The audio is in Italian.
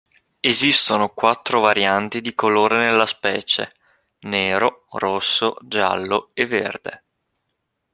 Esistono quattro varianti di colore nella specie: nero, rosso, giallo e verde.